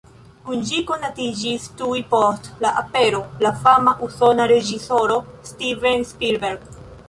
Kun ĝi konatiĝis tuj post la apero la fama usona reĝisoro Steven Spielberg.